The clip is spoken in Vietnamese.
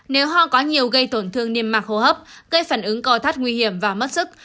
nếu ho có nhiều gây tổn thương niêm mạc hô hấp gây phản ứng co thắt nguy hiểm và mất sức